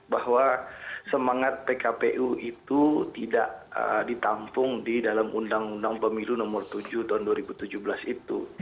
bahwa semangat pkpu itu tidak ditampung di dalam undang undang pemilu nomor tujuh tahun dua ribu tujuh belas itu